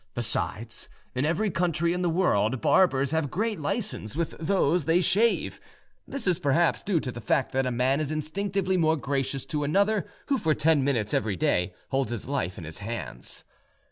Besides, in every country in the world barbers have great licence with those they shave; this is perhaps due to the fact that a man is instinctively more gracious to another who for ten minutes every day holds his life in his hands.